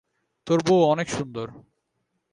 তোর বউ অনেক সুন্দর।